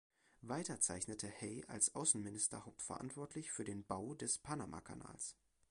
Weiter zeichnete Hay als Außenminister hauptverantwortlich für den Bau des Panamakanals.